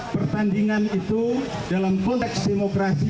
pertandingan itu dalam konteks demokrasi